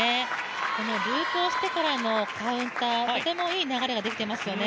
ループをしてからのカウンター、とてもいい流れができていますよね。